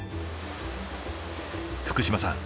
福島さん